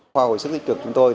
khoa hội sức tích cực chúng tôi